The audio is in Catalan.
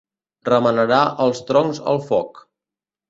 Remenarà els troncs al foc.